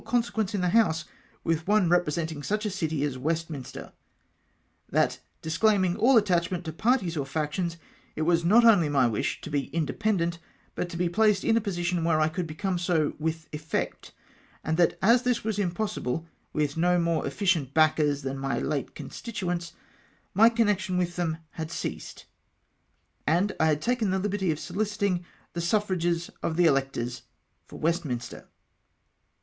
consequence in the House with one representing such a city as Westminster — that disclaiming all attachment to parties or factions, it was not only my wish to be in dependent, but to be placed in a position where I could become so with effect, and that as this was impossible with no more efficient backers than my late constituents, my connection with them had ceased, and I had taken the hberty of sohciting the suffrages of the electors for Westminster."